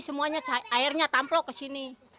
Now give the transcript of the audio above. semuanya airnya tamplok ke sini